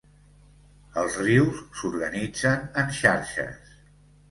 Els rius s'organitzen en xarxes.